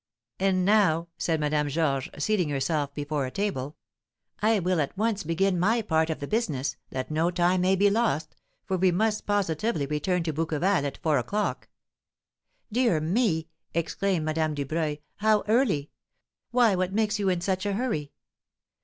"And now," said Madame Georges, seating herself before a table, "I will at once begin my part of the business, that no time may be lost; for we must positively return to Bouqueval at four o'clock." "Dear me!" exclaimed Madame Dubreuil; "how early! Why, what makes you in such a hurry?"